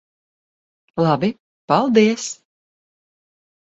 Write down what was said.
Labi. Paldies.